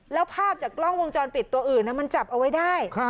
แล้วภาพจากกล้องวงจรปิดตัวอื่นมันจับเอาไว้ได้